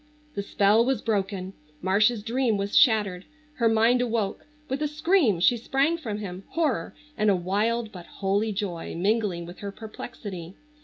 The spell was broken! Marcia's dream was shattered. Her mind awoke. With a scream she sprang from him, horror and a wild but holy joy mingling with her perplexity.